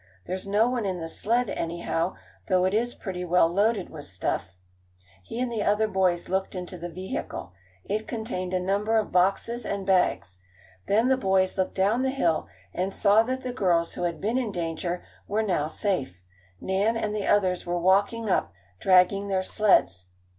There's no one in the sled, anyhow, though it is pretty well loaded with stuff." He and the other boys looked into the vehicle. It contained a number of boxes and bags. Then the boys looked down the hill and saw that the girls who had been in danger were now safe. Nan and the others were walking up, dragging their sleds.